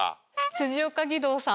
辻岡義堂さん。